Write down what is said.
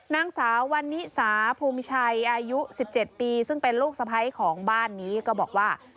นางสาววันนิสาภูมิชัยอายุ๑๗ปีซึ่งเป็นลูกสะพ้ายของบ้านนี้ก็บอกว่า